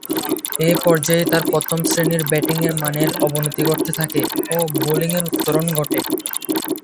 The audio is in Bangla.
এ পর্যায়ে তার প্রথম-শ্রেণীর ব্যাটিংয়ের মানের অবনতি ঘটতে থাকে ও বোলিংয়ের উত্তরণ ঘটে।